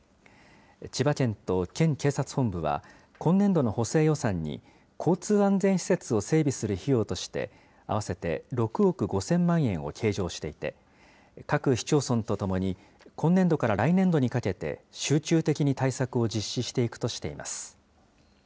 千葉県と県警察本部は今年度の補正予算に、交通安全施設を整備する費用として、合わせて６億５０００万円を計上していて、各市町村とともに、今年度から来年度にかけて、集中的に対策を実施していくとしています。